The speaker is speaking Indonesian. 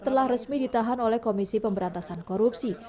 telah resmi ditahan oleh komisi pemberantasan korupsi